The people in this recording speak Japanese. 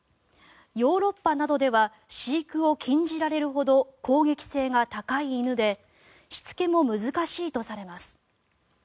ヨーロッパなどでは飼育を禁じられるほど攻撃性が高い犬でしつけも難しいとされます。